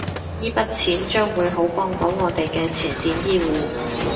依筆錢將會好幫到我哋嘅前線醫護